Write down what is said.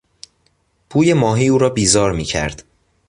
بوی ماهی او را بیزار میکرد.